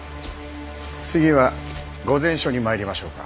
次はご膳所に参りましょうか。